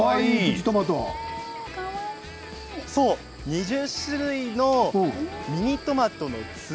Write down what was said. ２０種類のミニトマトです。